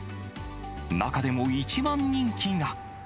中でも一番人気が。